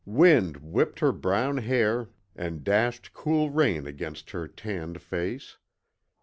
Wind whipped her brown hair and dashed cool rain against her tanned face.